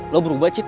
lo berubah cik